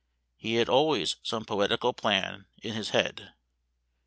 He had always some poetical plan in his head.